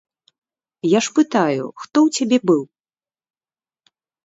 Я ж пытаю, хто ў цябе быў?